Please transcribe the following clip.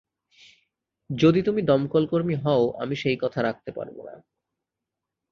যদি তুমি দমকলকর্মী হও, আমি সেই কথা রাখতে পারবো না।